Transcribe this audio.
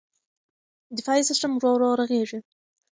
دفاعي سیستم ورو ورو رغېږي.